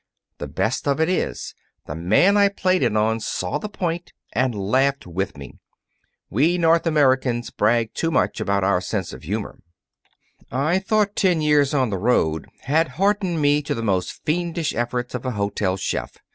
The best of it is the man I played it on saw the point and laughed with me. We North Americans brag too much about our sense of humor. I thought ten years on the road had hardened me to the most fiendish efforts of a hotel chef.